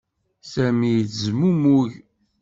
Sami yettezmumug.